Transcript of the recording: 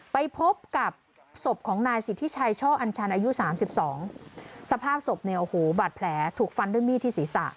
ไปพบกับศพของนายสิทธิชัยช่ออัญชันอายุสามสิบสองสภาพศพเนี่ยโอ้โหบาดแผลถูกฟันด้วยมีดที่ศีรษะ